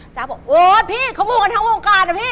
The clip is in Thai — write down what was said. บอกโอ๊ยพี่เขามูกันทั้งวงการนะพี่